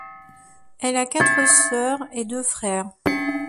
Elle a quatre sœurs et deux frères.